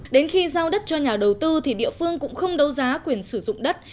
đến khi giao đất cho nhà đầu tư thì địa phương cũng không đấu giá quyền sử dụng đất